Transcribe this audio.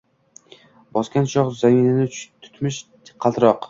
Bosgan chog’ Zaminni tutmish qaltiroq.